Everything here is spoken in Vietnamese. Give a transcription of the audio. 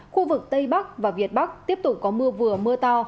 khu vực tây bắc và việt bắc tiếp tục có mưa vừa mưa to